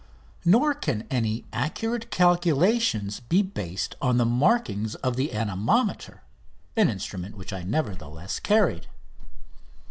Nor can any accurate calculations be based on the markings of the anemometer, an instrument which I, nevertheless, carried.